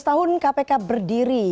tujuh belas tahun kpk berdiri